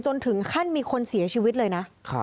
จนถึงขั้นมีคนเสียชีวิตเลยนะ